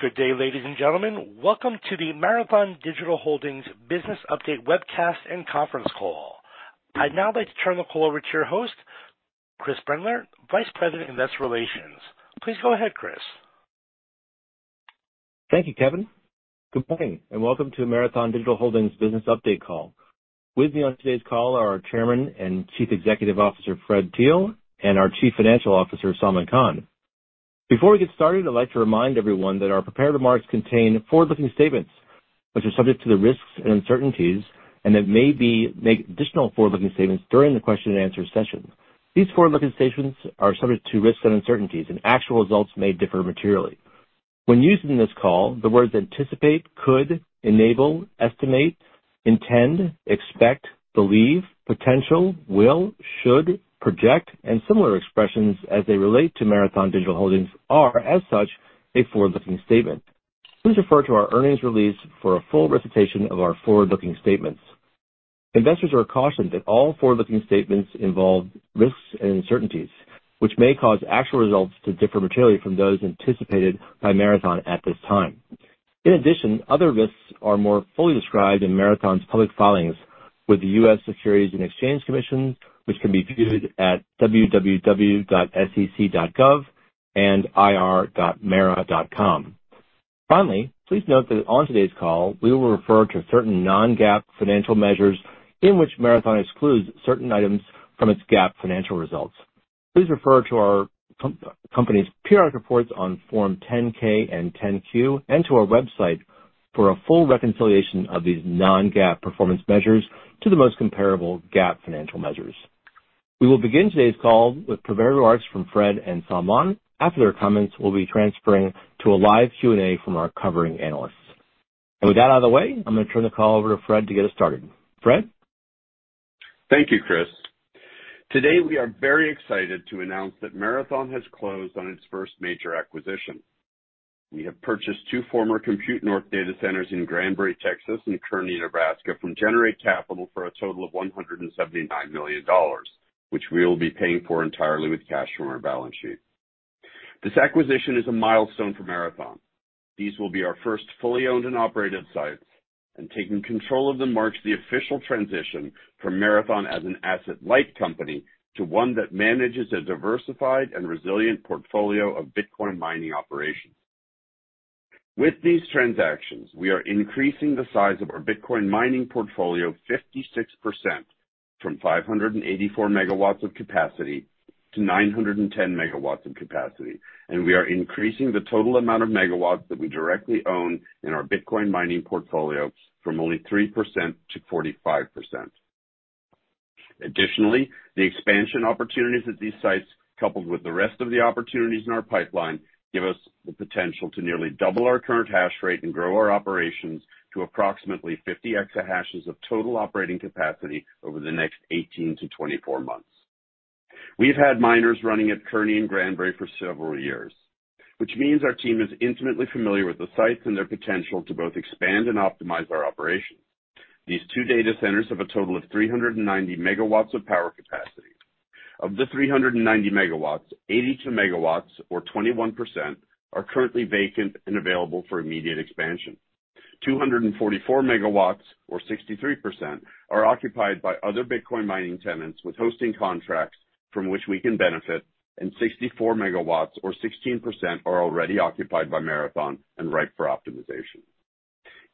Good day, ladies and gentlemen. Welcome to the Marathon Digital Holdings Business Update Webcast and Conference Call. I'd now like to turn the call over to your host, Chris Brendler, Vice President, Investor Relations. Please go ahead, Chris. Thank you, Kevin. Good morning, and welcome to Marathon Digital Holdings Business Update Call. With me on today's call are our Chairman and Chief Executive Officer, Fred Thiel, and our Chief Financial Officer, Salman Khan. Before we get started, I'd like to remind everyone that our prepared remarks contain forward-looking statements which are subject to the risks and uncertainties, and that may make additional forward-looking statements during the question and answer session. These forward-looking statements are subject to risks and uncertainties, and actual results may differ materially. When used in this call, the words anticipate, could, enable, estimate, intend, expect, believe, potential, will, should, project, and similar expressions as they relate to Marathon Digital Holdings are, as such, a forward-looking statement. Please refer to our earnings release for a full recitation of our forward-looking statements. Investors are cautioned that all forward-looking statements involve risks and uncertainties, which may cause actual results to differ materially from those anticipated by Marathon at this time. In addition, other risks are more fully described in Marathon's public filings with the U.S. Securities and Exchange Commission, which can be viewed at www.sec.gov and ir.mara.com. Finally, please note that on today's call, we will refer to certain non-GAAP financial measures in which Marathon excludes certain items from its GAAP financial results. Please refer to our company's periodic reports on Form 10-K and 10-Q, and to our website for a full reconciliation of these non-GAAP performance measures to the most comparable GAAP financial measures. We will begin today's call with prepared remarks from Fred and Salman. After their comments, we'll be transferring to a live Q&A from our covering analysts. With that out of the way, I'm going to turn the call over to Fred to get us started. Fred? Thank you, Chris. Today, we are very excited to announce that Marathon has closed on its first major acquisition. We have purchased two former Compute North data centers in Granbury, Texas, and Kearney, Nebraska, from Generate Capital for a total of $179 million, which we will be paying for entirely with cash from our balance sheet. This acquisition is a milestone for Marathon. These will be our first fully owned and operated sites, and taking control of them marks the official transition from Marathon as an asset-light company to one that manages a diversified and resilient portfolio of Bitcoin mining operations. With these transactions, we are increasing the size of our Bitcoin mining portfolio 56%, from 584 megawatts of capacity to 910 megawatts of capacity, and we are increasing the total amount of megawatts that we directly own in our Bitcoin mining portfolio from only 3% to 45%. Additionally, the expansion opportunities at these sites, coupled with the rest of the opportunities in our pipeline, give us the potential to nearly double our current hash rate and grow our operations to approximately 50 exahashes of total operating capacity over the next 18-24 months. We've had miners running at Kearney and Granbury for several years, which means our team is intimately familiar with the sites and their potential to both expand and optimize our operations. These two data centers have a total of 390 megawatts of power capacity. Of the 390 MW, 82 MW, or 21%, are currently vacant and available for immediate expansion. 244 MW, or 63%, are occupied by other Bitcoin mining tenants with hosting contracts from which we can benefit, and 64 MW, or 16%, are already occupied by Marathon and ripe for optimization.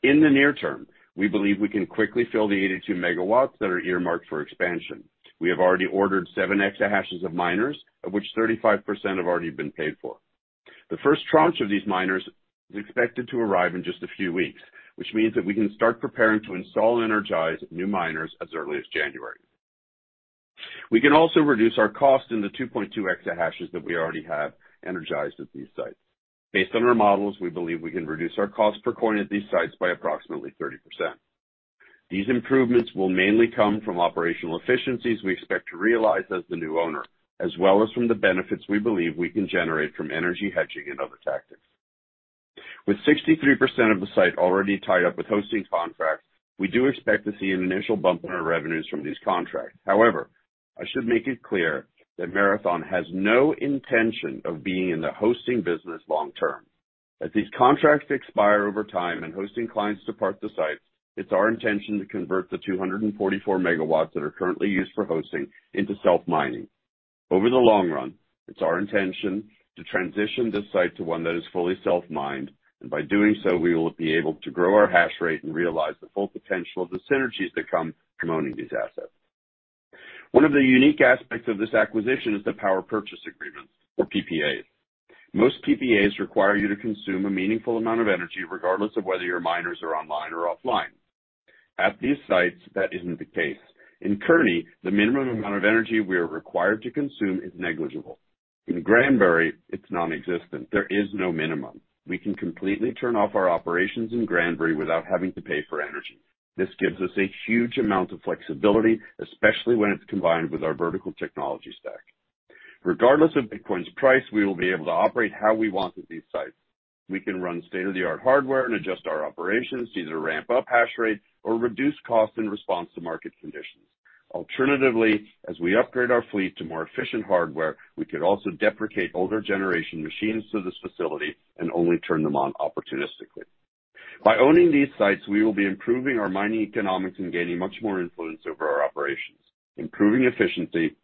In the near term, we believe we can quickly fill the 82 MW that are earmarked for expansion. We have already ordered 7 exahashes of miners, of which 35% have already been paid for. The first tranche of these miners is expected to arrive in just a few weeks, which means that we can start preparing to install and energize new miners as early as January. We can also reduce our cost in the 2.2 exahashes that we already have energized at these sites. Based on our models, we believe we can reduce our cost per coin at these sites by approximately 30%. These improvements will mainly come from operational efficiencies we expect to realize as the new owner, as well as from the benefits we believe we can generate from energy hedging and other tactics. With 63% of the site already tied up with hosting contracts, we do expect to see an initial bump in our revenues from these contracts. However, I should make it clear that Marathon has no intention of being in the hosting business long term. As these contracts expire over time and hosting clients depart the sites, it's our intention to convert the 244 MW that are currently used for hosting into self-mining. Over the long run, it's our intention to transition this site to one that is fully self-mined, and by doing so, we will be able to grow our hash rate and realize the full potential of the synergies that come from owning these assets. One of the unique aspects of this acquisition is the power purchase agreements, or PPAs. Most PPAs require you to consume a meaningful amount of energy, regardless of whether your miners are online or offline. At these sites, that isn't the case. In Kearney, the minimum amount of energy we are required to consume is negligible. In Granbury, it's non-existent. There is no minimum. We can completely turn off our operations in Granbury without having to pay for energy. This gives us a huge amount of flexibility, especially when it's combined with our vertical technology stack. Regardless of Bitcoin's price, we will be able to operate how we want at these sites. We can run state-of-the-art hardware and adjust our operations to either ramp up hash rates or reduce costs in response to market conditions. Alternatively, as we upgrade our fleet to more efficient hardware, we could also deprecate older generation machines to this facility and only turn them on opportunistically. By owning these sites, we will be improving our mining economics and gaining much more influence over our operations. Improving efficiency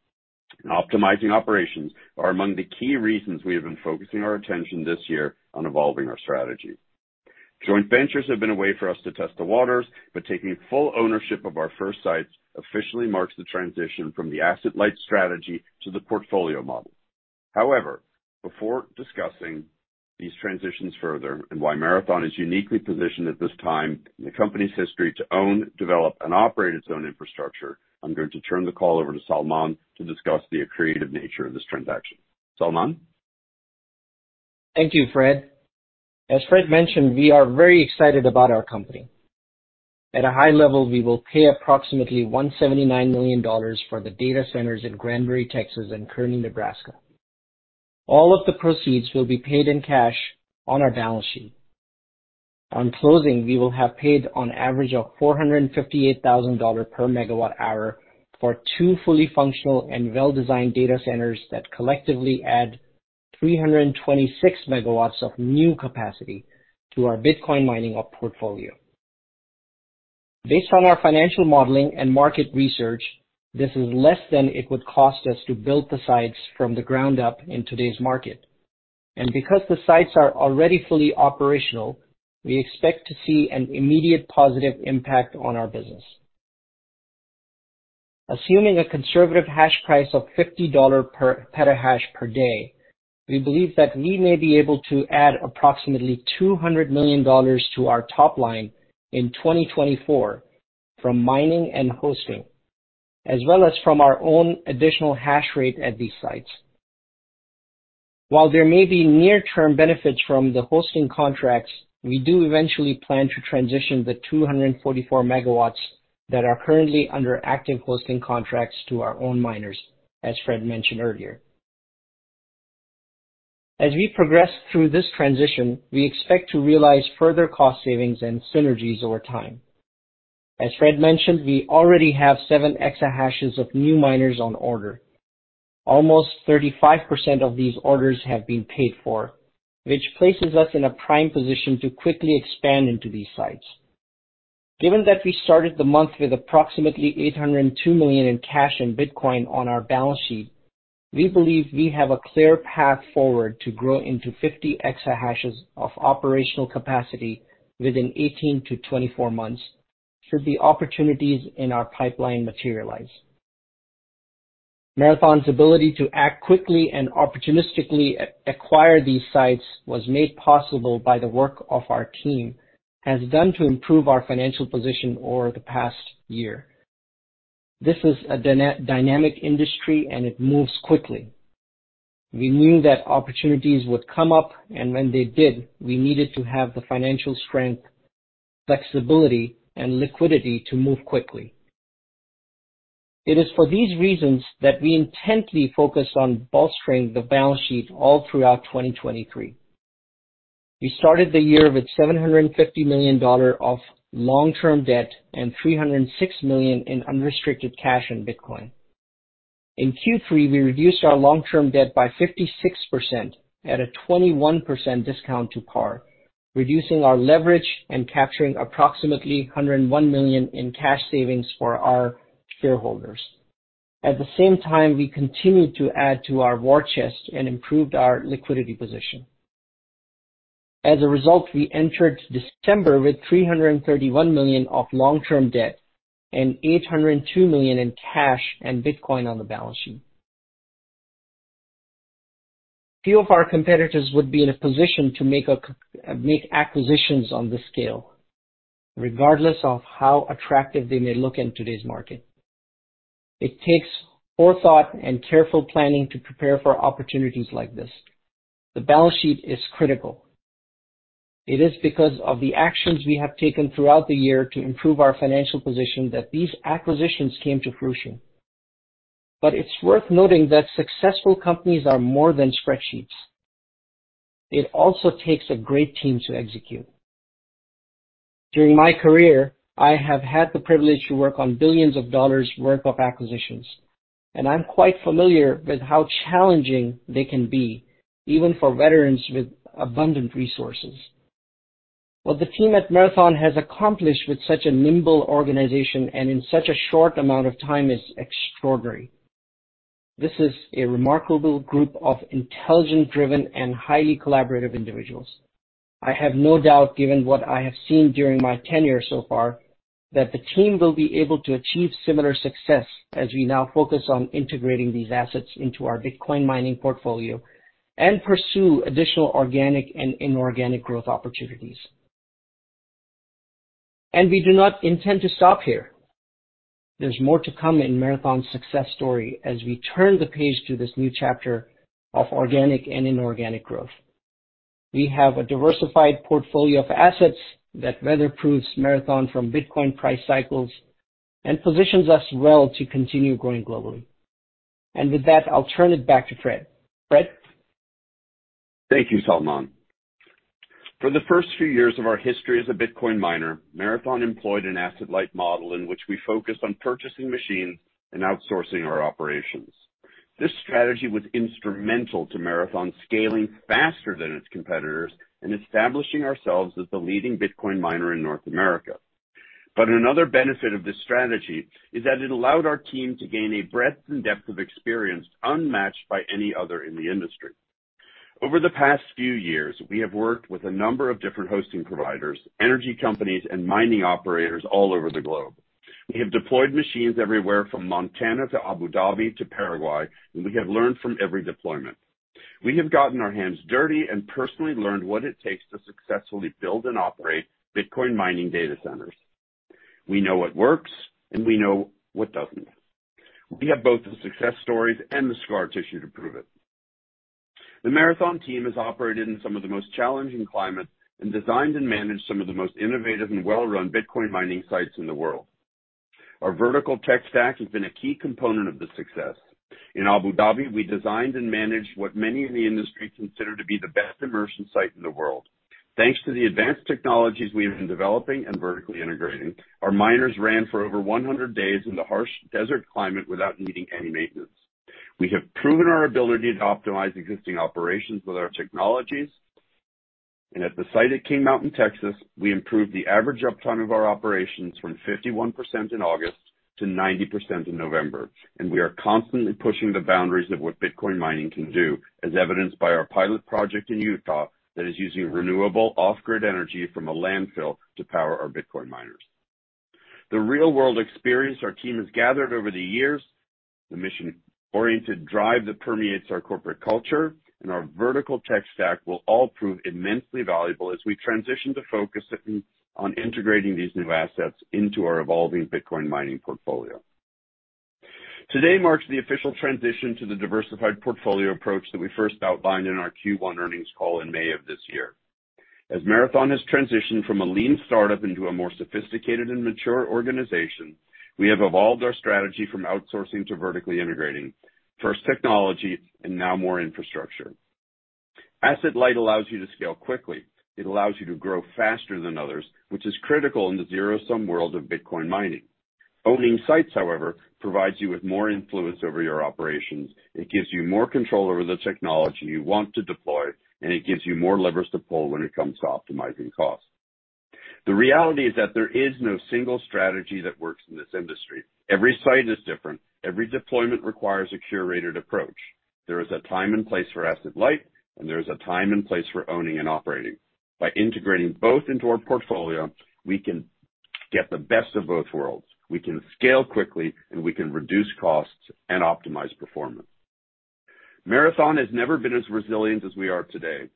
and optimizing operations are among the key reasons we have been focusing our attention this year on evolving our strategy. Joint ventures have been a way for us to test the waters, but taking full ownership of our first sites officially marks the transition from the asset-light strategy to the portfolio model. However, before discussing these transitions further and why Marathon is uniquely positioned at this time in the company's history to own, develop, and operate its own infrastructure, I'm going to turn the call over to Salman to discuss the accretive nature of this transaction. Salman? Thank you, Fred. As Fred mentioned, we are very excited about our company. At a high level, we will pay approximately $179 million for the data centers in Granbury, Texas, and Kearney, Nebraska. All of the proceeds will be paid in cash on our balance sheet. On closing, we will have paid on average of $458,000 per megawatt hour for two fully functional and well-designed data centers that collectively add 326 megawatts of new capacity to our Bitcoin mining op portfolio. Based on our financial modeling and market research, this is less than it would cost us to build the sites from the ground up in today's market. And because the sites are already fully operational, we expect to see an immediate positive impact on our business. Assuming a conservative hash price of $50 per petahash per day, we believe that we may be able to add approximately $200 million to our top line in 2024 from mining and hosting, as well as from our own additional hash rate at these sites. While there may be near-term benefits from the hosting contracts, we do eventually plan to transition the 244 MW that are currently under active hosting contracts to our own miners, as Fred mentioned earlier. As we progress through this transition, we expect to realize further cost savings and synergies over time. As Fred mentioned, we already have 7 exahashes of new miners on order. Almost 35% of these orders have been paid for, which places us in a prime position to quickly expand into these sites. Given that we started the month with approximately $802 million in cash and Bitcoin on our balance sheet, we believe we have a clear path forward to grow into 50 exahashes of operational capacity within 18-24 months, should the opportunities in our pipeline materialize. Marathon's ability to act quickly and opportunistically acquire these sites was made possible by the work of our team has done to improve our financial position over the past year. This is a dynamic industry, and it moves quickly. We knew that opportunities would come up, and when they did, we needed to have the financial strength, flexibility, and liquidity to move quickly. It is for these reasons that we intently focused on bolstering the balance sheet all throughout 2023. We started the year with $750 million of long-term debt and $306 million in unrestricted cash in Bitcoin. In Q3, we reduced our long-term debt by 56% at a 21% discount to par, reducing our leverage and capturing approximately $101 million in cash savings for our shareholders. At the same time, we continued to add to our war chest and improved our liquidity position. As a result, we entered December with $331 million of long-term debt and $802 million in cash and Bitcoin on the balance sheet. Few of our competitors would be in a position to make acquisitions on this scale, regardless of how attractive they may look in today's market. It takes forethought and careful planning to prepare for opportunities like this. The balance sheet is critical. It is because of the actions we have taken throughout the year to improve our financial position that these acquisitions came to fruition. But it's worth noting that successful companies are more than spreadsheets. It also takes a great team to execute. During my career, I have had the privilege to work on billions of dollars worth of acquisitions, and I'm quite familiar with how challenging they can be, even for veterans with abundant resources. What the team at Marathon has accomplished with such a nimble organization and in such a short amount of time, is extraordinary. This is a remarkable group of intelligent, driven, and highly collaborative individuals. I have no doubt, given what I have seen during my tenure so far, that the team will be able to achieve similar success as we now focus on integrating these assets into our Bitcoin mining portfolio and pursue additional organic and inorganic growth opportunities. We do not intend to stop here. There's more to come in Marathon's success story as we turn the page to this new chapter of organic and inorganic growth. We have a diversified portfolio of assets that weather proofs Marathon from Bitcoin price cycles and positions us well to continue growing globally. And with that, I'll turn it back to Fred. Fred?... Thank you, Salman. For the first few years of our history as a Bitcoin miner, Marathon employed an asset-light model in which we focused on purchasing machines and outsourcing our operations. This strategy was instrumental to Marathon scaling faster than its competitors and establishing ourselves as the leading Bitcoin miner in North America. But another benefit of this strategy is that it allowed our team to gain a breadth and depth of experience unmatched by any other in the industry. Over the past few years, we have worked with a number of different hosting providers, energy companies, and mining operators all over the globe. We have deployed machines everywhere from Montana to Abu Dhabi to Paraguay, and we have learned from every deployment. We have gotten our hands dirty and personally learned what it takes to successfully build and operate Bitcoin mining data centers. We know what works, and we know what doesn't. We have both the success stories and the scar tissue to prove it. The Marathon team has operated in some of the most challenging climates and designed and managed some of the most innovative and well-run Bitcoin mining sites in the world. Our vertical tech stack has been a key component of this success. In Abu Dhabi, we designed and managed what many in the industry consider to be the best immersion site in the world. Thanks to the advanced technologies we have been developing and vertically integrating, our miners ran for over 100 days in the harsh desert climate without needing any maintenance. We have proven our ability to optimize existing operations with our technologies, and at the site at King Mountain, Texas, we improved the average uptime of our operations from 51% in August to 90% in November, and we are constantly pushing the boundaries of what Bitcoin mining can do, as evidenced by our pilot project in Utah that is using renewable off-grid energy from a landfill to power our Bitcoin miners. The real-world experience our team has gathered over the years, the mission-oriented drive that permeates our corporate culture, and our vertical tech stack will all prove immensely valuable as we transition to focus on integrating these new assets into our evolving Bitcoin mining portfolio. Today marks the official transition to the diversified portfolio approach that we first outlined in our Q1 earnings call in May of this year. As Marathon has transitioned from a lean startup into a more sophisticated and mature organization, we have evolved our strategy from outsourcing to vertically integrating, first technology and now more infrastructure. Asset-light allows you to scale quickly. It allows you to grow faster than others, which is critical in the zero-sum world of Bitcoin mining. Owning sites, however, provides you with more influence over your operations. It gives you more control over the technology you want to deploy, and it gives you more levers to pull when it comes to optimizing costs. The reality is that there is no single strategy that works in this industry. Every site is different. Every deployment requires a curated approach. There is a time and place for asset-light, and there is a time and place for owning and operating. By integrating both into our portfolio, we can get the best of both worlds. We can scale quickly, and we can reduce costs and optimize performance. Marathon has never been as resilient as we are today.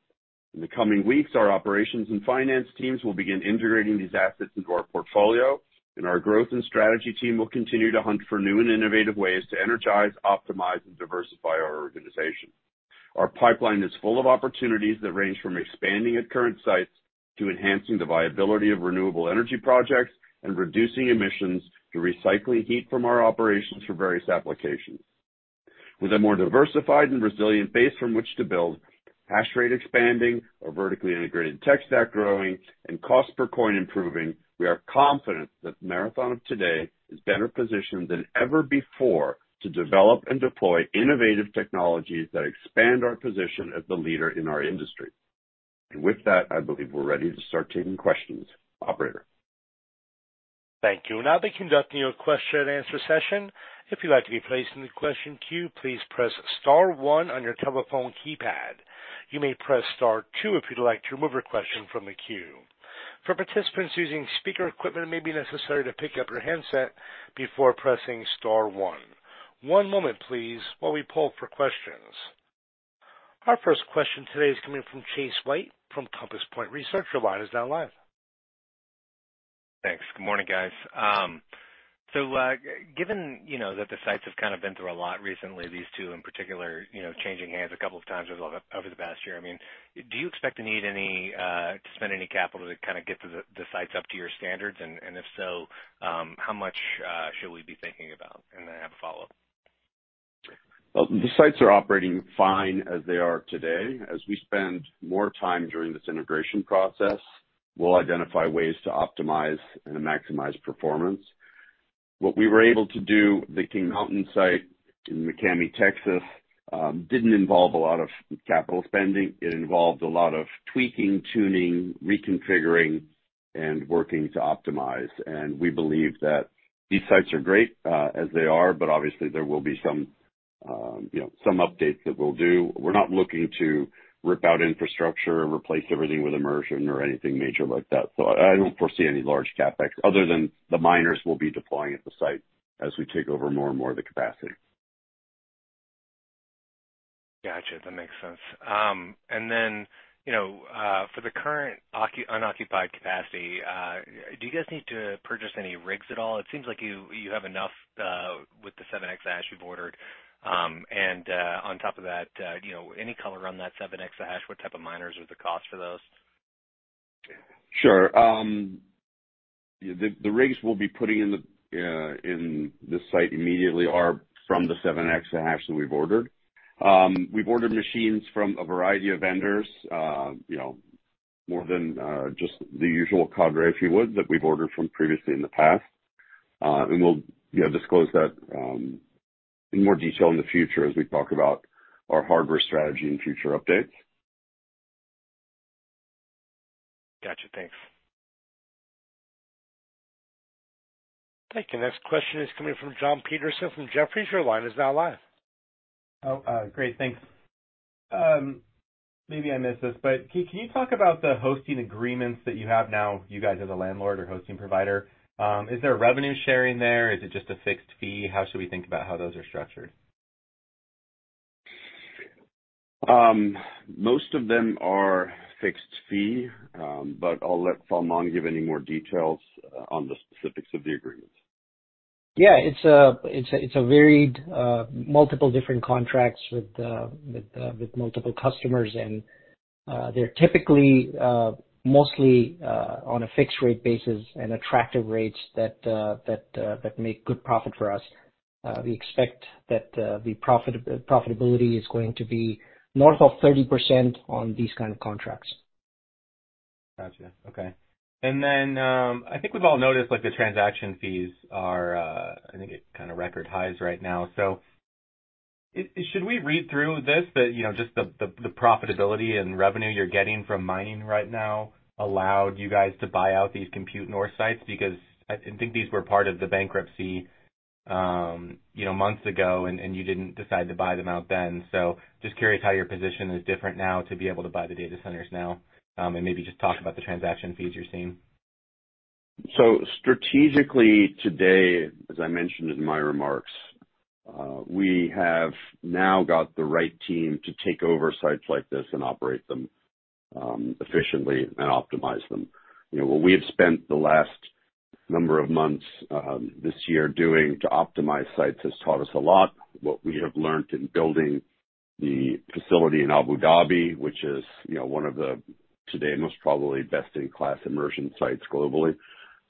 In the coming weeks, our operations and finance teams will begin integrating these assets into our portfolio, and our growth and strategy team will continue to hunt for new and innovative ways to energize, optimize, and diversify our organization. Our pipeline is full of opportunities that range from expanding at current sites to enhancing the viability of renewable energy projects and reducing emissions to recycling heat from our operations for various applications. With a more diversified and resilient base from which to build, hash rate expanding, our vertically integrated tech stack growing, and cost per coin improving, we are confident that Marathon of today is better positioned than ever before to develop and deploy innovative technologies that expand our position as the leader in our industry. With that, I believe we're ready to start taking questions. Operator? Thank you. I'll now be conducting your question-and-answer session. If you'd like to be placed in the question queue, please press star one on your telephone keypad. You may press star two if you'd like to remove your question from the queue. For participants using speaker equipment, it may be necessary to pick up your handset before pressing star one. One moment, please, while we poll for questions. Our first question today is coming from Chase White from Compass Point Research. Your line is now live. Thanks. Good morning, guys. So, given, you know, that the sites have kind of been through a lot recently, these two in particular, you know, changing hands a couple of times over the past year, I mean, do you expect to need any to spend any capital to kind of get the sites up to your standards? And if so, how much should we be thinking about? I have a follow-up. Well, the sites are operating fine as they are today. As we spend more time during this integration process, we'll identify ways to optimize and maximize performance. What we were able to do at the King Mountain site in McCamey, Texas, didn't involve a lot of capital spending. It involved a lot of tweaking, tuning, reconfiguring, and working to optimize. And we believe that these sites are great, as they are, but obviously, there will be some, you know, some updates that we'll do. We're not looking to rip out infrastructure, replace everything with immersion or anything major like that. So I don't foresee any large CapEx other than the miners we'll be deploying at the site as we take over more and more of the capacity. Gotcha, that makes sense. And then, you know, for the current unoccupied capacity, do you guys need to purchase any rigs at all? It seems like you have enough with the 7 exahash you've ordered. And on top of that, you know, any color on that 7 exahash, what type of miners or the cost for those?... Sure. The rigs we'll be putting in the site immediately are from the 7 exahash that we've ordered. We've ordered machines from a variety of vendors, you know, more than just the usual cadre, if you would, that we've ordered from previously in the past. And we'll, you know, disclose that in more detail in the future as we talk about our hardware strategy and future updates. Gotcha. Thanks. Thank you. Next question is coming from John Todaro from Needham & Company. Your line is now live. Oh, great, thanks. Maybe I missed this, but can you talk about the hosting agreements that you have now, you guys are the landlord or hosting provider? Is there a revenue sharing there? Is it just a fixed fee? How should we think about how those are structured? Most of them are fixed fee, but I'll let Salman give any more details on the specifics of the agreements. Yeah, it's a varied multiple different contracts with multiple customers and they're typically mostly on a fixed rate basis and attractive rates that make good profit for us. We expect that the profitability is going to be north of 30% on these kind of contracts. Gotcha. Okay. And then, I think we've all noticed, like, the transaction fees are, I think at kind of record highs right now. So should we read through this, that, you know, just the profitability and revenue you're getting from mining right now allowed you guys to buy out these Compute North sites? Because I think these were part of the bankruptcy, you know, months ago, and you didn't decide to buy them out then. So just curious how your position is different now to be able to buy the data centers now, and maybe just talk about the transaction fees you're seeing. So strategically today, as I mentioned in my remarks, we have now got the right team to take over sites like this and operate them efficiently and optimize them. You know, what we have spent the last number of months this year doing to optimize sites has taught us a lot. What we have learned in building the facility in Abu Dhabi, which is, you know, one of the today most probably best in class immersion sites globally,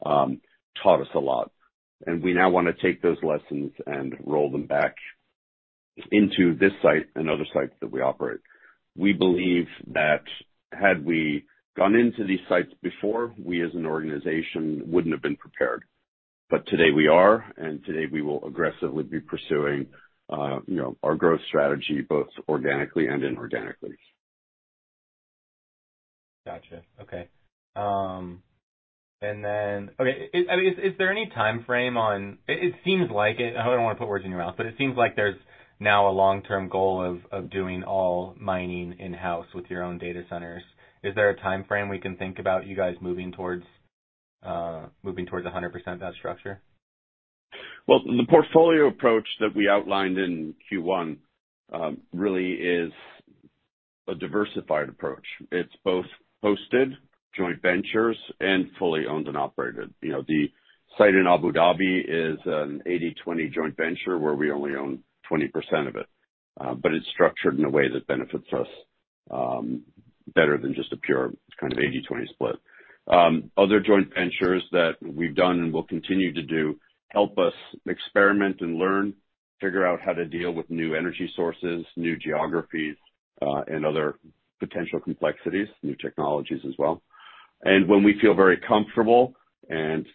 taught us a lot, and we now want to take those lessons and roll them back into this site and other sites that we operate. We believe that had we gone into these sites before, we as an organization wouldn't have been prepared. But today we are, and today we will aggressively be pursuing, you know, our growth strategy, both organically and inorganically. Gotcha. Okay. And then... Okay, I mean, is there any time frame on... It seems like it. I don't want to put words in your mouth, but it seems like there's now a long-term goal of doing all mining in-house with your own data centers. Is there a time frame we can think about you guys moving towards moving towards 100% that structure? Well, the portfolio approach that we outlined in Q1 really is a diversified approach. It's both hosted, joint ventures, and fully owned and operated. You know, the site in Abu Dhabi is an 80/20 joint venture where we only own 20% of it. But it's structured in a way that benefits us better than just a pure kind of 80/20 split. Other joint ventures that we've done and will continue to do help us experiment and learn, figure out how to deal with new energy sources, new geographies, and other potential complexities, new technologies as well. And when we feel very comfortable and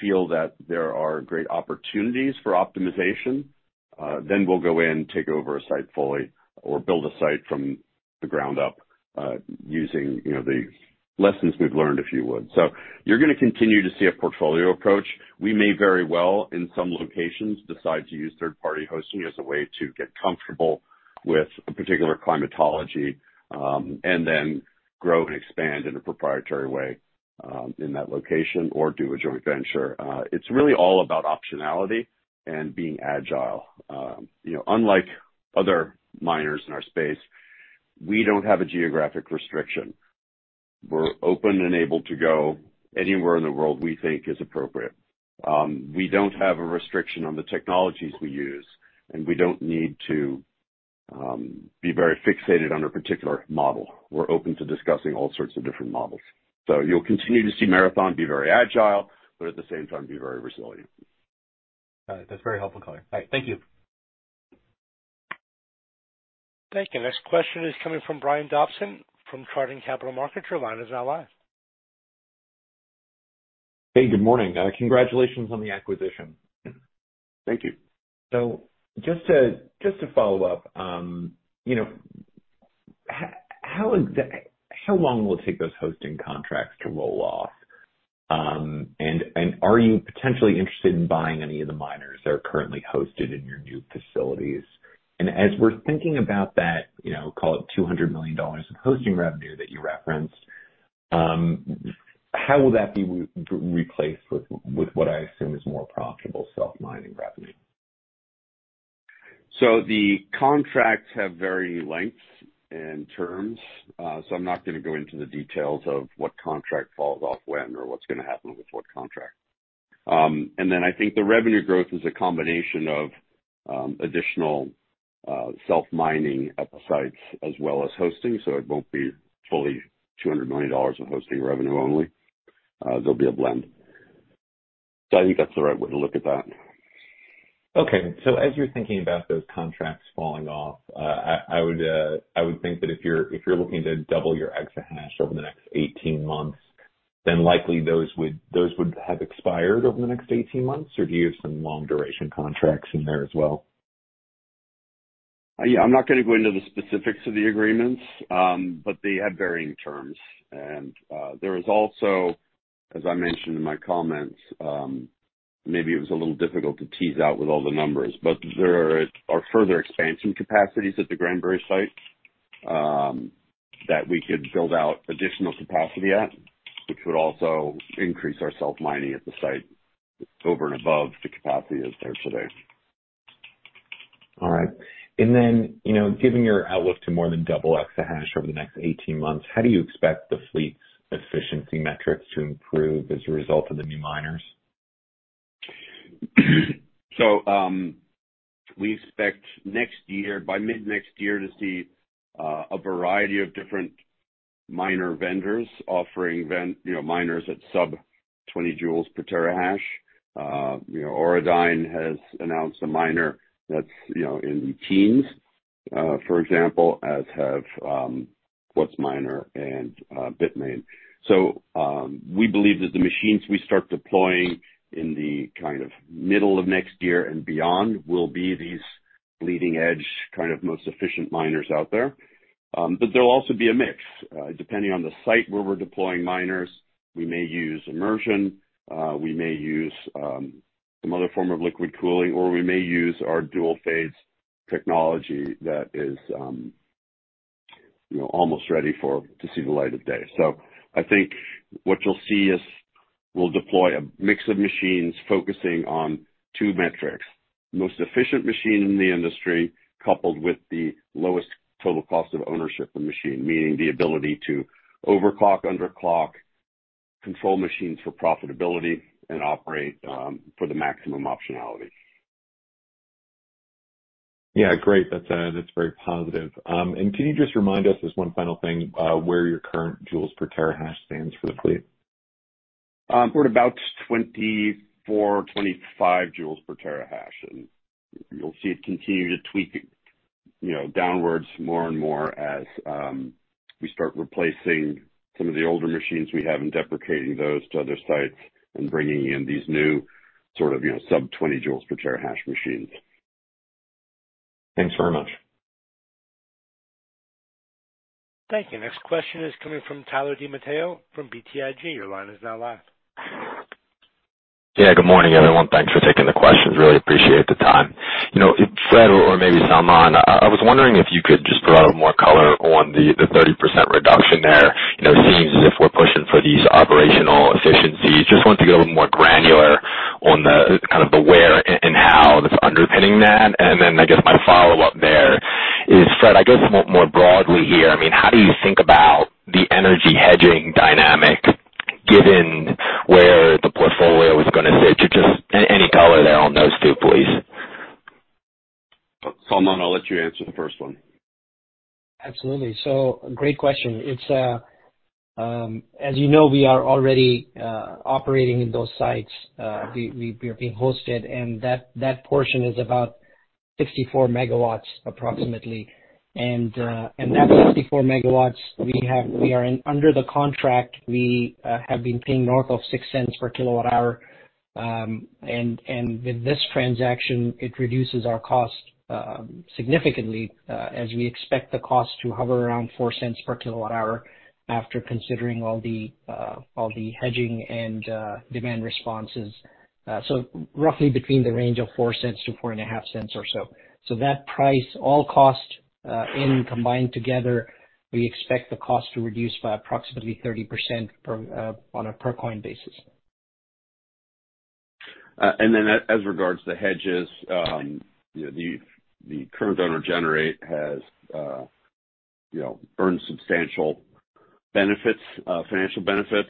feel that there are great opportunities for optimization, then we'll go in, take over a site fully or build a site from the ground up, using, you know, the lessons we've learned, if you would. So you're going to continue to see a portfolio approach. We may very well, in some locations, decide to use third party hosting as a way to get comfortable with a particular climatology, and then grow and expand in a proprietary way, in that location or do a joint venture. It's really all about optionality and being agile. You know, unlike other miners in our space, we don't have a geographic restriction. We're open and able to go anywhere in the world we think is appropriate. We don't have a restriction on the technologies we use, and we don't need to, be very fixated on a particular model. We're open to discussing all sorts of different models. So you'll continue to see Marathon be very agile, but at the same time be very resilient. All right. That's very helpful, Fred. All right, thank you. Thank you. Next question is coming from Brian Dobson, from Chardan Capital Markets. Your line is now live. Hey, good morning. Congratulations on the acquisition. Thank you. So just to follow up, you know, how long will it take those hosting contracts to roll off? And are you potentially interested in buying any of the miners that are currently hosted in your new facilities? And as we're thinking about that, you know, call it $200 million of hosting revenue that you referenced, how will that be replaced with what I assume is more profitable self-mining revenue? So the contracts have varied lengths and terms, so I'm not going to go into the details of what contract falls off when or what's going to happen with what contract. And then I think the revenue growth is a combination of additional self-mining at the sites as well as hosting. So it won't be fully $200 million of hosting revenue only. There'll be a blend. So I think that's the right way to look at that. Okay. So as you're thinking about those contracts falling off, I would think that if you're looking to double your exahash over the next 18 months, then likely those would have expired over the next 18 months, or do you have some long duration contracts in there as well? Yeah, I'm not going to go into the specifics of the agreements, but they have varying terms. There is also, as I mentioned in my comments, maybe it was a little difficult to tease out with all the numbers, but there are further expansion capacities at the Granbury site, that we could build out additional capacity at, which would also increase our self-mining at the site over and above the capacity that's there today. All right. And then, you know, given your outlook to more than double exahash over the next 18 months, how do you expect the fleet's efficiency metrics to improve as a result of the new miners? We expect next year, by mid-next year, to see a variety of different miner vendors offering, you know, miners at sub-20 joules per terahash. You know, Auradine has announced a miner that's, you know, in the teens, for example, as have WhatsMiner and Bitmain. We believe that the machines we start deploying in the kind of middle of next year and beyond will be these leading edge, kind of, most efficient miners out there. But there'll also be a mix. Depending on the site where we're deploying miners, we may use immersion, we may use some other form of liquid cooling, or we may use our dual phase technology that is, you know, almost ready to see the light of day. So I think what you'll see is we'll deploy a mix of machines focusing on two metrics: most efficient machine in the industry, coupled with the lowest total cost of ownership of machine, meaning the ability to overclock, under clock, control machines for profitability and operate for the maximum optionality. Yeah, great. That's very positive. And can you just remind us, as one final thing, where your current joules per terahash stands for the fleet? We're at about 24-25 joules per terahash, and you'll see it continue to tweak, you know, downwards more and more as we start replacing some of the older machines we have and deprecating those to other sites and bringing in these new sort of, you know, sub-20 joules per terahash machines. Thanks very much. Thank you. Next question is coming from Tyler DiMatteo from BTIG. Your line is now live. Yeah, good morning, everyone. Thanks for taking the questions. Really appreciate the time. You know, Fred, or maybe Salman, I was wondering if you could just provide more color on the 30% reduction there. You know, it seems as if we're pushing for these operational efficiencies. Just wanted to get a little more granular on the kind of the where and how that's underpinning that. And then I guess my follow-up there is, Fred, I guess more broadly here, I mean, how do you think about the energy hedging dynamic, given where the portfolio is going to sit? Just any color there on those two, please. Salman, I'll let you answer the first one. Absolutely. So great question. It's, as you know, we are already operating in those sites. We, we're being hosted, and that, that portion is about 64 MW, approximately. And that 64 MW we have, we are in under the contract, we have been paying north of $0.06/kWh. And with this transaction, it reduces our cost significantly, as we expect the cost to hover around $0.04/kWh after considering all the hedging and demand responses. So roughly between the range of $0.04-$0.045/kWh or so. So that price, all cost, in combined together, we expect the cost to reduce by approximately 30% per, on a per coin basis. And then as regards to the hedges, the current owner Generate has, you know, earned substantial benefits, financial benefits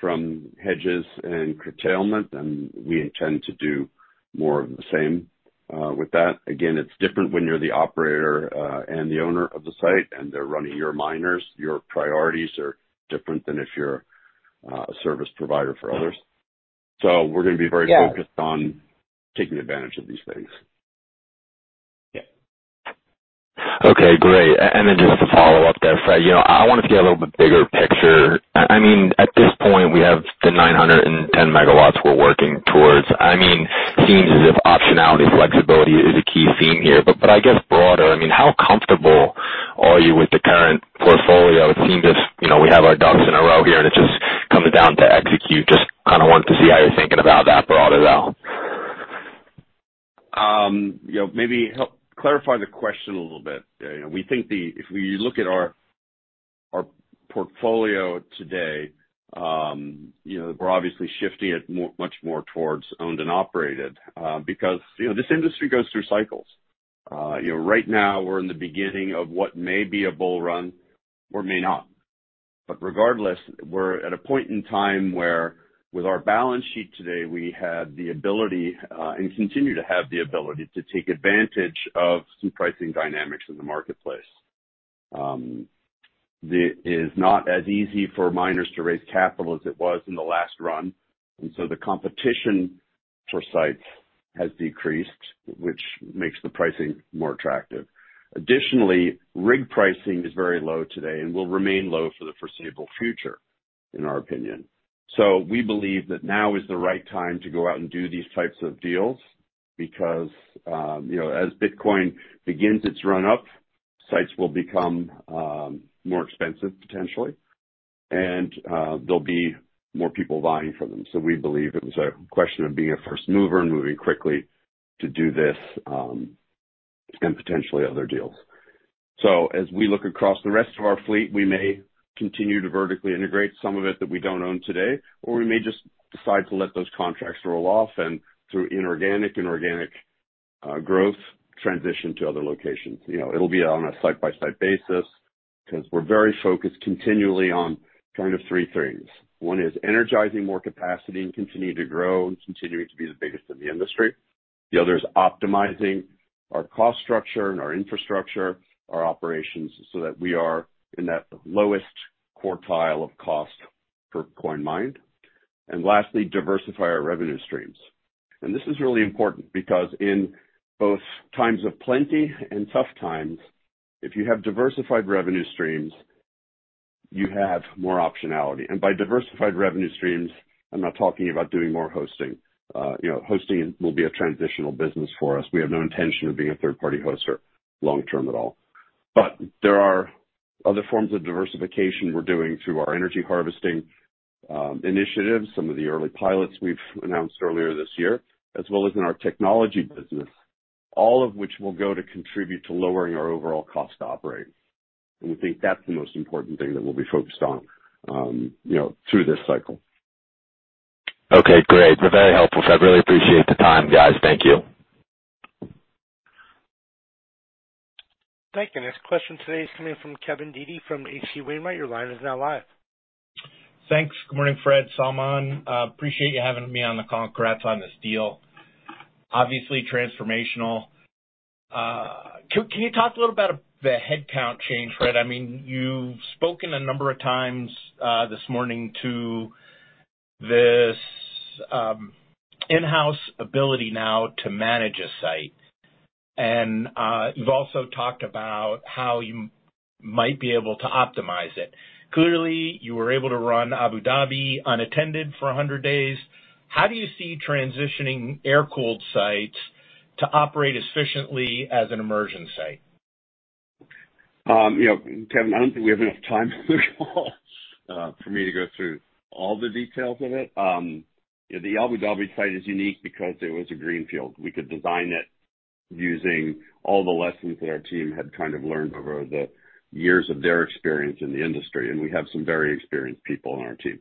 from hedges and curtailment, and we intend to do more of the same with that. Again, it's different when you're the operator and the owner of the site, and they're running your miners. Your priorities are different than if you're a service provider for others. So we're going to be very focused- Yeah... on taking advantage of these things. Yeah. Okay, great. And then just to follow up there, Fred, you know, I wanted to get a little bit bigger picture. I, I mean, at this point, we have the 910 MW we're working towards. I mean, seems as if optionality, flexibility is a key theme here. But, but I guess broader, I mean, how comfortable are you with the current portfolio? It seems as, you know, we have our ducks in a row here, and it just comes down to execute. Just kind of wanted to see how you're thinking about that broader out. You know, maybe help clarify the question a little bit. You know, we think the... If we look at our portfolio today, you know, we're obviously shifting it more, much more towards owned and operated, because, you know, this industry goes through cycles. You know, right now we're in the beginning of what may be a bull run or may not.... But regardless, we're at a point in time where with our balance sheet today, we had the ability, and continue to have the ability to take advantage of some pricing dynamics in the marketplace. It is not as easy for miners to raise capital as it was in the last run, and so the competition for sites has decreased, which makes the pricing more attractive. Additionally, rig pricing is very low today and will remain low for the foreseeable future, in our opinion. So we believe that now is the right time to go out and do these types of deals, because, you know, as Bitcoin begins its run-up, sites will become more expensive potentially, and there'll be more people vying for them. So we believe it was a question of being a first mover and moving quickly to do this, and potentially other deals. So as we look across the rest of our fleet, we may continue to vertically integrate some of it that we don't own today, or we may just decide to let those contracts roll off and through inorganic and organic growth, transition to other locations. You know, it'll be on a site-by-site basis, because we're very focused continually on kind of three things. One is energizing more capacity and continuing to grow and continuing to be the biggest in the industry. The other is optimizing our cost structure and our infrastructure, our operations, so that we are in that lowest quartile of cost per coin mined. And lastly, diversify our revenue streams. And this is really important because in both times of plenty and tough times, if you have diversified revenue streams, you have more optionality. And by diversified revenue streams, I'm not talking about doing more hosting. You know, hosting will be a transitional business for us. We have no intention of being a third-party hoster long term at all. But there are other forms of diversification we're doing through our energy harvesting initiatives, some of the early pilots we've announced earlier this year, as well as in our technology business, all of which will go to contribute to lowering our overall cost to operate. And we think that's the most important thing that we'll be focused on, you know, through this cycle. Okay, great. Very helpful. I really appreciate the time, guys. Thank you. Thank you. Next question today is coming from Kevin Dede from H.C. Wainwright. Your line is now live. Thanks. Good morning, Fred, Salman. Appreciate you having me on the call. Congrats on this deal. Obviously transformational. Can you talk a little about the headcount change, Fred? I mean, you've spoken a number of times this morning to this in-house ability now to manage a site. You've also talked about how you might be able to optimize it. Clearly, you were able to run Abu Dhabi unattended for 100 days. How do you see transitioning air-cooled sites to operate as efficiently as an immersion site? You know, Kevin, I don't think we have enough time in the call for me to go through all the details of it. The Abu Dhabi site is unique because it was a greenfield. We could design it using all the lessons that our team had kind of learned over the years of their experience in the industry, and we have some very experienced people on our team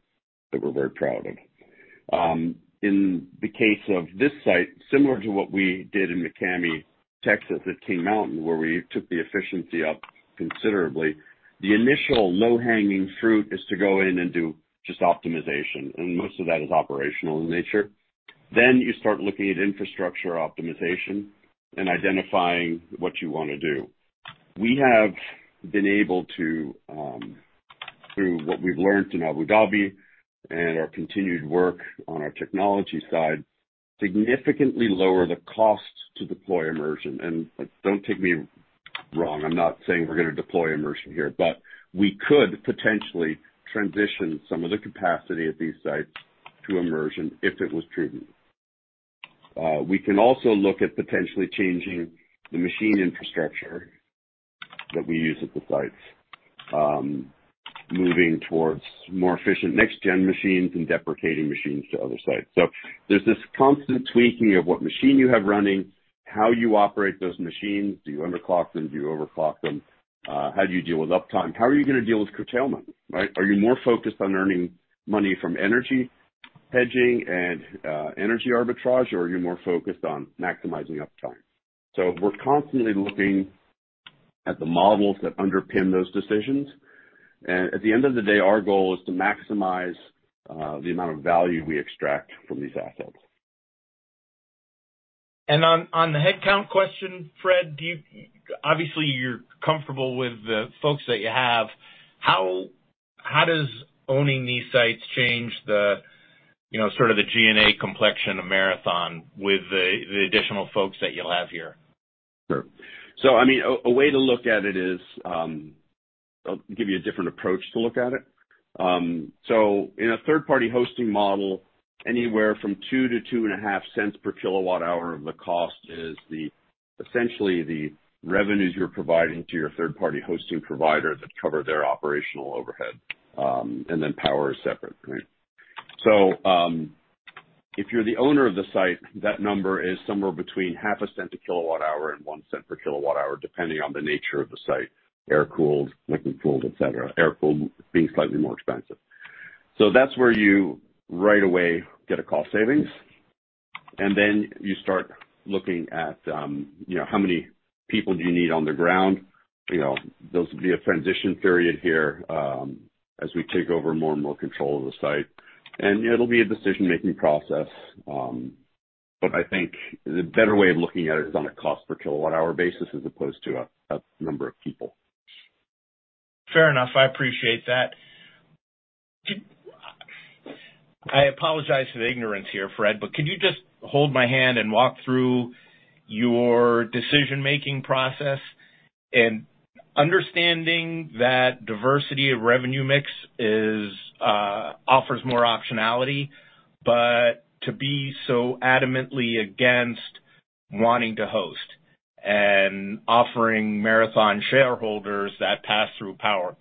that we're very proud of. In the case of this site, similar to what we did in McCamey, Texas, at King Mountain, where we took the efficiency up considerably, the initial low-hanging fruit is to go in and do just optimization, and most of that is operational in nature. Then you start looking at infrastructure optimization and identifying what you want to do. We have been able to, through what we've learned in Abu Dhabi and our continued work on our technology side, significantly lower the cost to deploy immersion. And don't take me wrong, I'm not saying we're going to deploy immersion here, but we could potentially transition some of the capacity at these sites to immersion if it was feasible. We can also look at potentially changing the machine infrastructure that we use at the sites, moving towards more efficient next gen machines and deprecating machines to other sites. So there's this constant tweaking of what machine you have running, how you operate those machines. Do you underclock them? Do you overclock them? How do you deal with uptime? How are you going to deal with curtailment, right? Are you more focused on earning money from energy hedging and energy arbitrage, or are you more focused on maximizing uptime? So we're constantly looking at the models that underpin those decisions. And at the end of the day, our goal is to maximize the amount of value we extract from these assets. And on the headcount question, Fred, do you, obviously, you're comfortable with the folks that you have. How does owning these sites change the, you know, sort of the G&A complexion of Marathon with the additional folks that you'll have here? Sure. So, I mean, a way to look at it is... I'll give you a different approach to look at it. So in a third-party hosting model, anywhere from $0.02-$0.025 per kWh of the cost is the, essentially the revenues you're providing to your third-party hosting provider that cover their operational overhead. And then power is separate, right? So, if you're the owner of the site, that number is somewhere between $0.005 per kWh and $0.01 per kWh, depending on the nature of the site, air-cooled, liquid-cooled, etc. Air-cooled being slightly more expensive. So that's where you right away get a cost savings... And then you start looking at, you know, how many people do you need on the ground? You know, there'll be a transition period here, as we take over more and more control of the site, and it'll be a decision-making process. But I think the better way of looking at it is on a cost per kilowatt-hour basis, as opposed to a number of people. Fair enough. I appreciate that. I apologize for the ignorance here, Fred, but could you just hold my hand and walk through your decision-making process? And understanding that diversity of revenue mix is, offers more optionality, but to be so adamantly against wanting to host and offering Marathon shareholders that pass-through power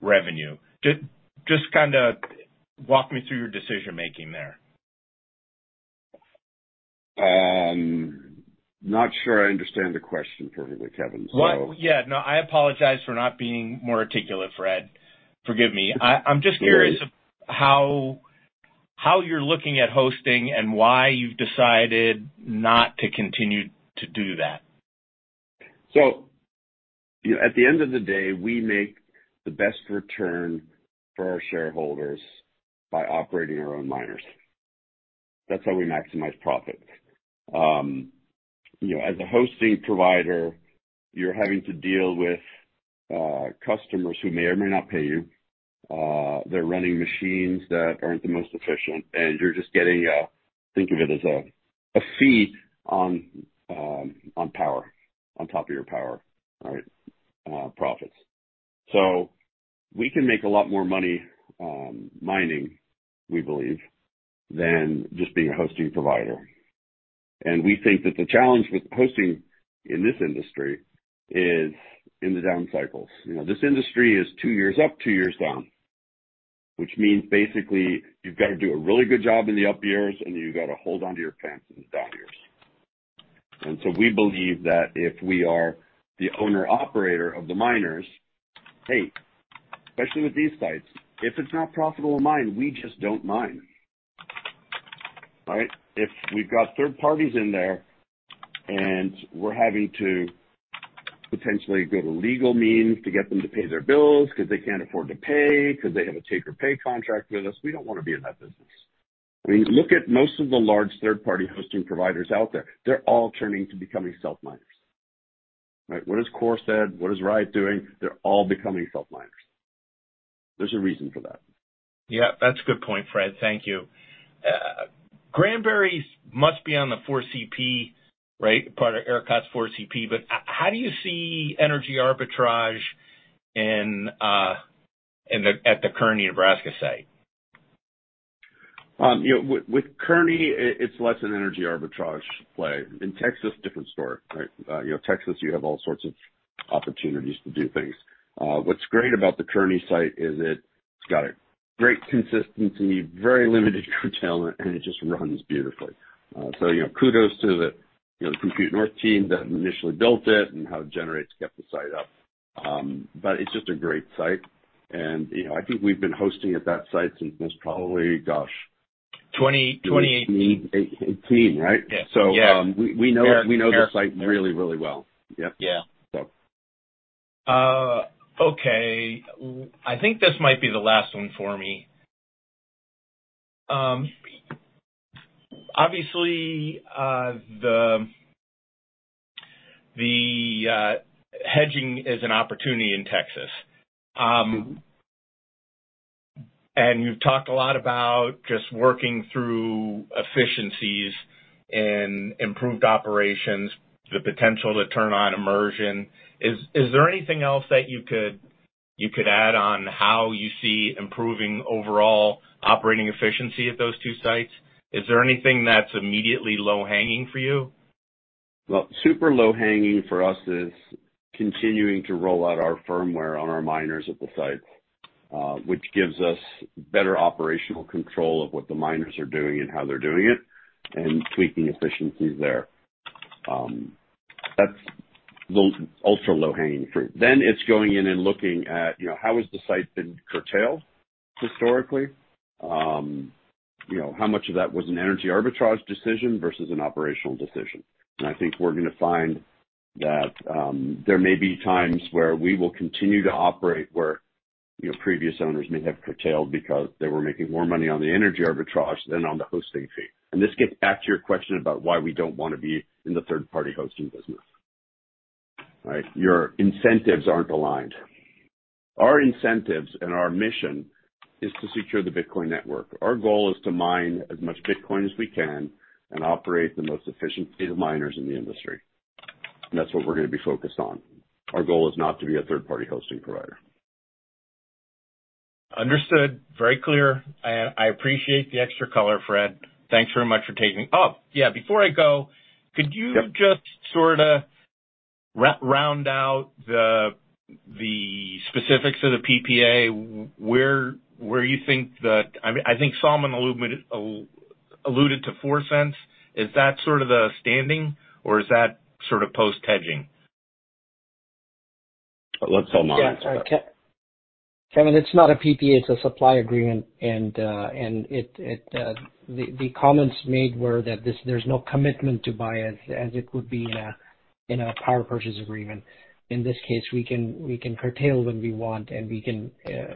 revenue. Just, just kind of walk me through your decision-making there. Not sure I understand the question perfectly, Kevin, so- Well, yeah, no, I apologize for not being more articulate, Fred. Forgive me. Sure. I'm just curious how you're looking at hosting and why you've decided not to continue to do that. So, you know, at the end of the day, we make the best return for our shareholders by operating our own miners. That's how we maximize profits. You know, as a hosting provider, you're having to deal with customers who may or may not pay you. They're running machines that aren't the most efficient, and you're just getting, think of it as a fee on, on power, on top of your power, all right, profits. So we can make a lot more money mining, we believe, than just being a hosting provider. And we think that the challenge with hosting in this industry is in the down cycles. You know, this industry is two years up, two years down, which means basically you've got to do a really good job in the up years, and you've got to hold onto your pants in the down years. And so we believe that if we are the owner-operator of the miners, hey, especially with these sites, if it's not profitable to mine, we just don't mine. Right? If we've got third parties in there and we're having to potentially go to legal means to get them to pay their bills because they can't afford to pay, because they have a take or pay contract with us, we don't want to be in that business. I mean, look at most of the large third-party hosting providers out there. They're all turning to becoming self miners, right? What has Core said? What is Riot doing? They're all becoming self-miners. There's a reason for that. Yeah, that's a good point, Fred. Thank you. Granbury must be on the 4CP, right? Part of ERCOT's 4CP, but how do you see energy arbitrage at the Kearney, Nebraska site? You know, with Kearney, it's less an energy arbitrage play. In Texas, different story, right? You know, Texas, you have all sorts of opportunities to do things. What's great about the Kearney site is it's got a great consistency, very limited curtailment, and it just runs beautifully. So, you know, kudos to the, you know, Compute North team that initially built it and how Generate's kept the site up. But it's just a great site, and, you know, I think we've been hosting at that site since most probably, gosh- Twenty twenty- Eighteen, right? Yeah. We know the site really, really well. Yep. Yeah. So. Okay. I think this might be the last one for me. Obviously, the hedging is an opportunity in Texas. And you've talked a lot about just working through efficiencies and improved operations, the potential to turn on immersion. Is there anything else that you could add on how you see improving overall operating efficiency at those two sites? Is there anything that's immediately low-hanging for you? Well, super low-hanging for us is continuing to roll out our firmware on our miners at the sites, which gives us better operational control of what the miners are doing and how they're doing it, and tweaking efficiencies there. That's the ultra low-hanging fruit. Then it's going in and looking at, you know, how has the site been curtailed historically? You know, how much of that was an energy arbitrage decision versus an operational decision? And I think we're going to find that, there may be times where we will continue to operate where, you know, previous owners may have curtailed because they were making more money on the energy arbitrage than on the hosting fee. And this gets back to your question about why we don't want to be in the third-party hosting business. Right? Your incentives aren't aligned. Our incentives and our mission is to secure the Bitcoin network. Our goal is to mine as much Bitcoin as we can and operate the most efficient miners in the industry, and that's what we're going to be focused on. Our goal is not to be a third-party hosting provider. Understood. Very clear. I appreciate the extra color, Fred. Thanks very much for taking... Oh, yeah, before I go, could you- Yep... just sort of round out the specifics of the PPA, where you think the—I think Salman alluded to four cents. Is that sort of the standing or is that sort of post-hedging?... But let's go mine. Yeah, Kevin, it's not a PPA, it's a supply agreement, and the comments made were that this, there's no commitment to buy as it would be in a power purchase agreement. In this case, we can curtail when we want, and we can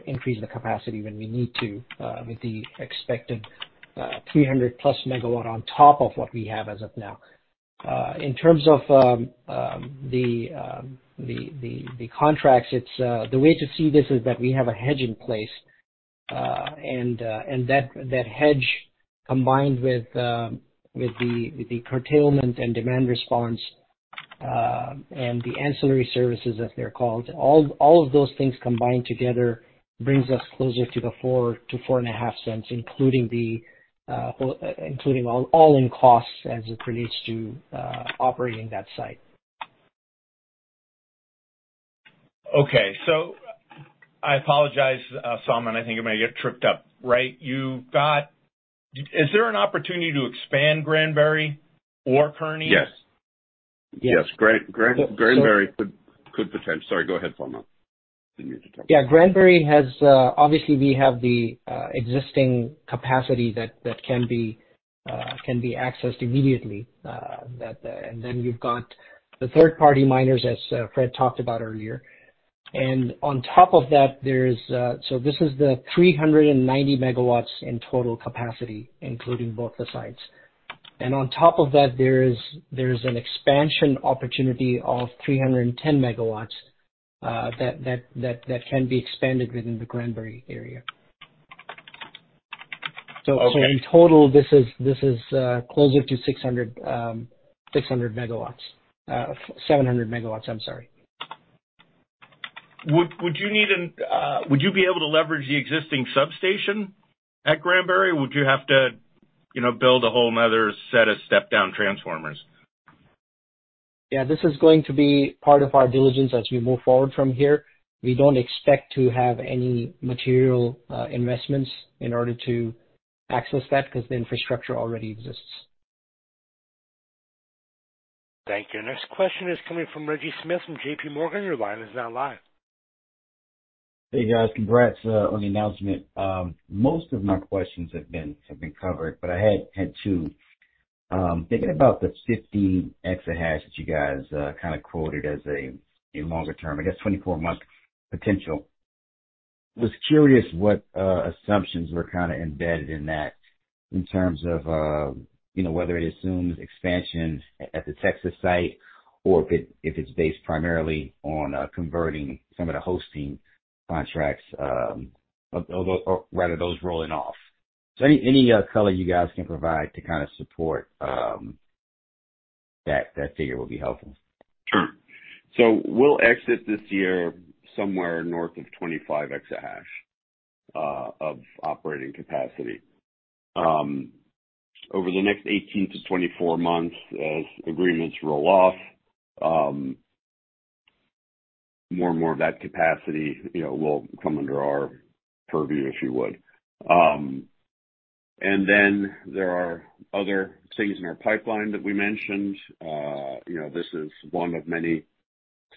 increase the capacity when we need to, with the expected 300+ MW on top of what we have as of now. In terms of the contracts, it's the way to see this is that we have a hedge in place, and that hedge combined with the curtailment and demand response, and the ancillary services, as they're called, all of those things combined together brings us closer to the $0.04-$0.045, including all-in costs as it relates to operating that site. Okay. I apologize, Salman, I think I may get tripped up, right? You got... Is there an opportunity to expand Granbury or Kearney? Yes. Yes. Granbury could potentially. Sorry. Go ahead, Salman. Continue to talk. Yeah, Granbury has obviously we have the existing capacity that can be accessed immediately. That... And then we've got the third-party miners, as Fred talked about earlier. And on top of that, there's so this is the 390 MW in total capacity, including both the sites. And on top of that, there is, there's an expansion opportunity of 310 MW that can be expanded within the Granbury area. Okay. So in total, this is closer to 600, 600 MW, 700 MW, I'm sorry. Would you be able to leverage the existing substation at Granbury? Would you have to, you know, build a whole other set of step-down transformers? Yeah, this is going to be part of our diligence as we move forward from here. We don't expect to have any material investments in order to access that, because the infrastructure already exists. Thank you. Next question is coming from Reggie Smith from JPMorgan. Your line is now live. Hey, guys. Congrats on the announcement. Most of my questions have been covered, but I had two. Thinking about the 50 exahash that you guys kind of quoted as a longer-term, I guess, 24-month potential. Was curious what assumptions were kind of embedded in that in terms of, you know, whether it assumes expansion at the Texas site or if it's based primarily on converting some of the hosting contracts, or rather, those rolling off. So any color you guys can provide to kind of support that figure will be helpful. Sure. So we'll exit this year somewhere north of 25 exahash of operating capacity. Over the next 18-24 months, as agreements roll off, more and more of that capacity, you know, will come under our purview, if you would. And then there are other things in our pipeline that we mentioned. You know, this is one of many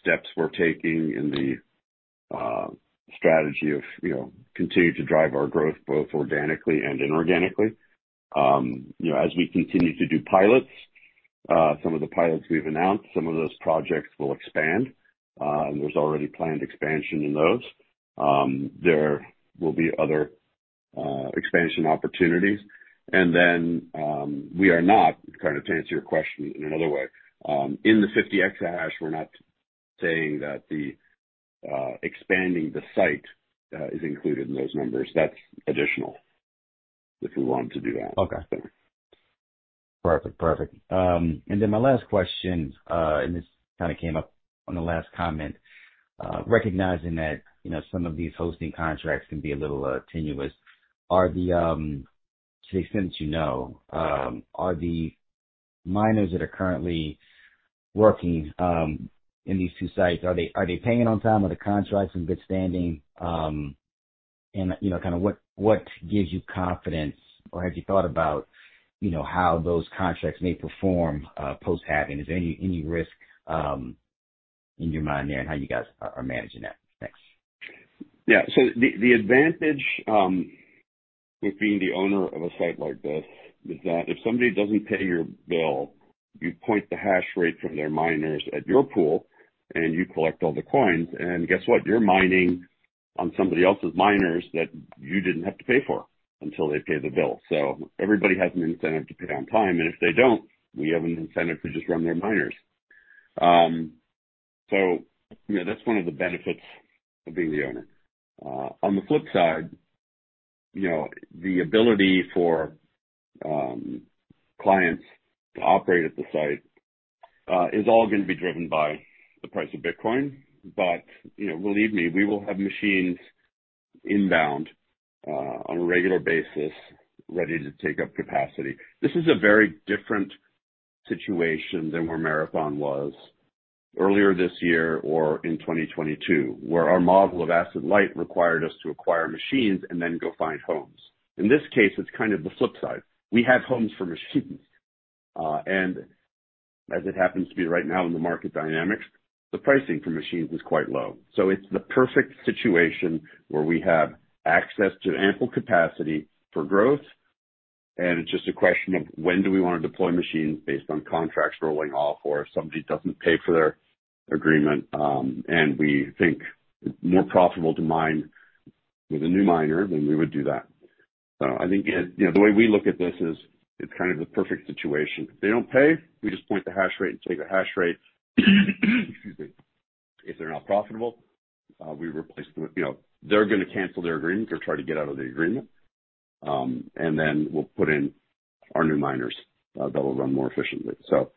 steps we're taking in the strategy of, you know, continuing to drive our growth both organically and inorganically. You know, as we continue to do pilots, some of the pilots we've announced, some of those projects will expand. There's already planned expansion in those. There will be other expansion opportunities. And then, we are not, kind of to answer your question in another way, in the 50 exahash, we're not saying that the expanding the site is included in those numbers. That's additional if we want to do that. Okay. Perfect. Perfect. And then my last question, and this kind of came up on the last comment, recognizing that, you know, some of these hosting contracts can be a little tenuous. Are the, to the extent you know, are the miners that are currently working, in these two sites, are they, are they paying on time, are the contracts in good standing? And, you know, kind of what, what gives you confidence or have you thought about, you know, how those contracts may perform, post-halving? Is there any, any risk, in your mind there and how you guys are, are managing that? Thanks. Yeah. So the advantage with being the owner of a site like this is that if somebody doesn't pay your bill, you point the hash rate from their miners at your pool, and you collect all the coins, and guess what? You're mining on somebody else's miners that you didn't have to pay for until they pay the bill. So everybody has an incentive to pay on time, and if they don't, we have an incentive to just run their miners. So, you know, that's one of the benefits of being the owner. On the flip side, you know, the ability for clients to operate at the site is all going to be driven by the price of Bitcoin. But, you know, believe me, we will have machines inbound on a regular basis, ready to take up capacity. This is a very different situation than where Marathon was earlier this year or in 2022, where our model of asset-light required us to acquire machines and then go find homes. In this case, it's kind of the flip side. We have homes for machines, and as it happens to be right now in the market dynamics, the pricing for machines is quite low. So it's the perfect situation where we have access to ample capacity for growth, and it's just a question of when do we want to deploy machines based on contracts rolling off, or if somebody doesn't pay for their agreement, and we think it's more profitable to mine with a new miner, then we would do that. I think, you know, the way we look at this is it's kind of the perfect situation. If they don't pay, we just point the hash rate and take a hash rate. Excuse me. If they're not profitable, we replace them with, you know... They're gonna cancel their agreement or try to get out of the agreement, and then we'll put in our new miners, that will run more efficiently. So,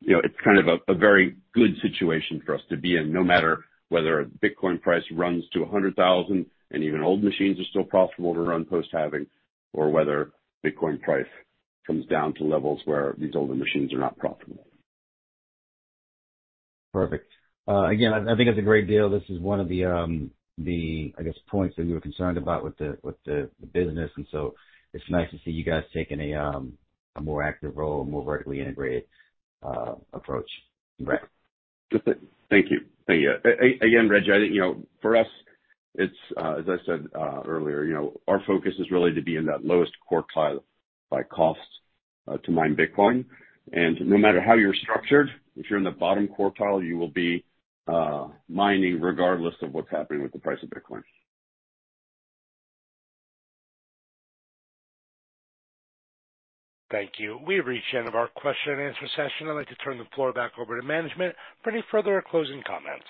you know, it's kind of a, a very good situation for us to be in, no matter whether a Bitcoin price runs to $100,000 and even old machines are still profitable to run post-halving, or whether Bitcoin price comes down to levels where these older machines are not profitable. Perfect. Again, I think it's a great deal. This is one of the, I guess, points that you were concerned about with the business, and so it's nice to see you guys taking a more active role, a more vertically integrated approach. Right. Thank you. Thank you. Again, Reggie, I think, you know, for us, it's, as I said, earlier, you know, our focus is really to be in that lowest quartile by cost, to mine Bitcoin. And no matter how you're structured, if you're in the bottom quartile, you will be mining regardless of what's happening with the price of Bitcoin. Thank you. We've reached the end of our question and answer session. I'd like to turn the floor back over to management for any further closing comments.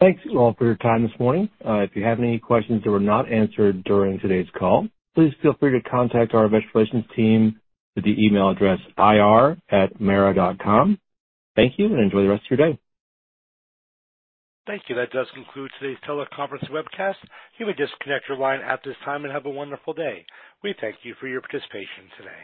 Thanks all for your time this morning. If you have any questions that were not answered during today's call, please feel free to contact our investor relations team at the email address ir@mara.com. Thank you, and enjoy the rest of your day. Thank you. That does conclude today's teleconference webcast. You may disconnect your line at this time and have a wonderful day. We thank you for your participation today.